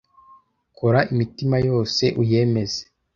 kora imitima yose uyemeze